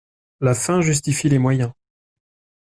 La fin justifie les moyens